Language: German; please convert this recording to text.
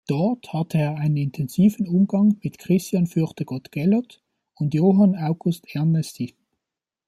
Dort hatte er einen intensiven Umgang mit Christian Fürchtegott Gellert und Johann August Ernesti.